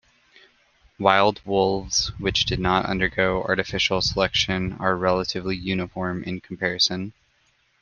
Wild wolves, which did not undergo artificial selection, are relatively uniform in comparison.